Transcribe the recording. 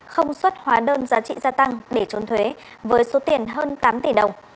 không xuất hóa đơn giá trị gia tăng để trốn thuế với số tiền hơn tám tỷ đồng